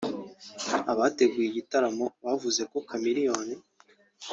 Abateguye igitaramo bavuze ko Chameleone